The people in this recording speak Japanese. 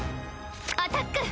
アタック！